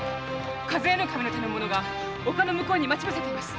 主計頭の手の者が丘の向こうに待ち伏せています